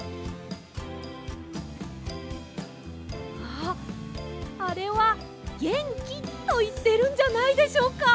ああれは「ゲンキ」といってるんじゃないでしょうか？